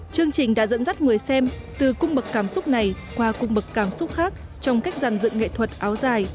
chương trình đã dẫn dắt người xem từ cung bậc cảm xúc này qua cung bậc cảm xúc khác trong cách giàn dựng nghệ thuật áo dài